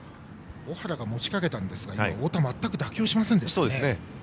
尾原が持ちかけたんですが太田、全く妥協しませんでしたね。